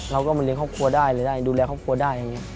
เราก็มาเลี้ยครอบครัวได้เลยได้ดูแลครอบครัวได้อย่างนี้